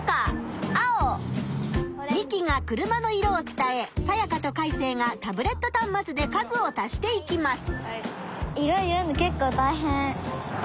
ミキが車の色を伝えサヤカとカイセイがタブレットたんまつで数を足していきます。